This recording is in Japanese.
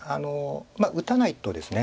打たないとですね